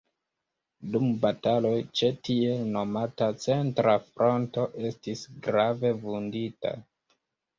Dum bataloj ĉe tiel nomata centra fronto estis grave vundita.